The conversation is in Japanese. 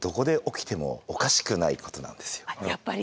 やっぱり。